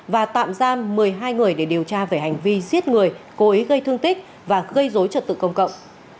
và tạm giam một mươi hai người để điều tra về hành vi giết người cố ý gây thương tích và gây dối trật tự công cộng